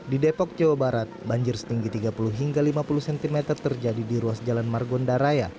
di depok jawa barat banjir setinggi tiga puluh hingga lima puluh cm terjadi di ruas jalan margonda raya